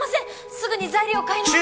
すぐに材料を買い直して。